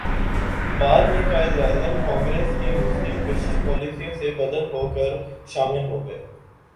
بعد میں قائداعظم کانگریس کی مسلم کش پالیسیوں سے بددل ہوکر شامل ہوگئے